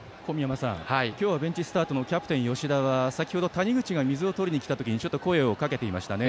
今日はベンチスタートのキャプテン吉田は先ほど、谷口が水を取りに来た時にちょっと声をかけていました。